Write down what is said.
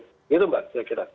begitu mbak saya kira